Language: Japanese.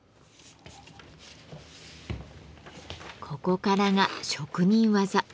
ここからが職人技。